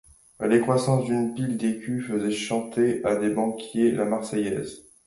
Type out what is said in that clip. La décroissance d'une pile d'écus faisait chanter à des banquiers la Marseillaise.